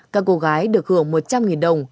các cô gái được hưởng một trăm linh đồng